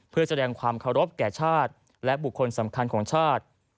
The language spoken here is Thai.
เพื่อแสดงความเคารพแก่ชาติและบุคคลสำคัญของชาติ